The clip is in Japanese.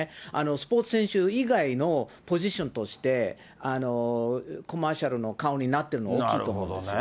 スポーツ選手以外のポジションとして、コマーシャルの顔になってるのは、大きいと思いますね。